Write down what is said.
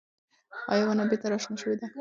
ایا ونه بېرته راشنه شوې ده؟